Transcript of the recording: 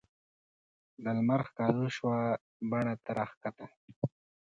د لمر ښکالو شوه بڼ ته راکښته